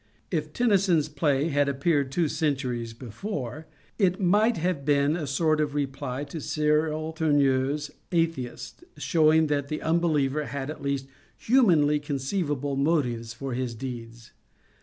If Tennyson's play had appeared two centuries before, it might have been a sort of reply to Cyril Toumeur's ^Atheist," showing that the unbeliever had at least humanly conceivable motives for his deeds.